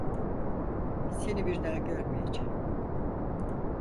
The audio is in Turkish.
Seni bir daha görmeyeceğim.